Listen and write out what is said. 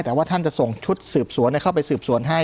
แต่ว่าท่านจะส่งชุดสืบสวนเข้าไปสืบสวนให้